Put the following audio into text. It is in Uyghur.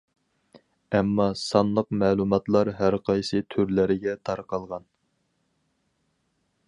ئەمما سانلىق مەلۇماتلار ھەرقايسى تۈرلەرگە تارقالغان.